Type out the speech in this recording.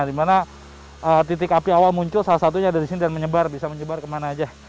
dimana titik api awal muncul salah satunya ada di sini dan menyebar kemana saja